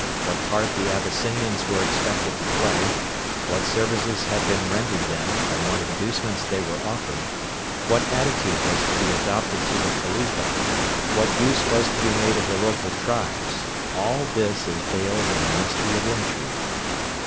What part the Abyssinians were expected to play, what services had been rendered them and what inducements they were offered, what attitude was to be adopted to the Khalifa, what use was to be made of the local tribes: all this is veiled in the mystery of intrigue.